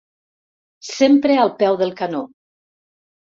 Sempre al peu del canó.